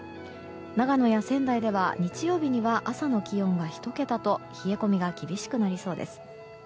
長野や仙台では、日曜日には朝の気温が１桁と冷え込みが厳しくなりそうです。